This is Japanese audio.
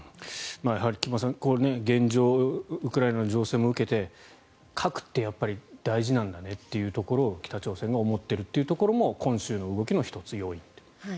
菊間さん現状、ウクライナの情勢も受けて核ってやっぱり大事なんだねというところを北朝鮮が思っているところも今週の動きの１つ、要因と。